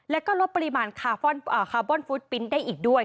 แล้วก็ลดปริมาณคาร์บอนฟู้ดปิ้นได้อีกด้วย